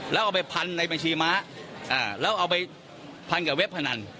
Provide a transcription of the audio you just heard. แล้วเอาไปพันในบัญชีม้าแล้วเอาไปพันกับเว็บพนัน